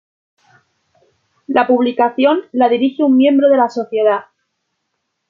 La publicación la dirige un miembro de la Sociedad.